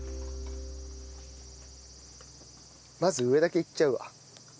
まず上だけいっちゃうわ。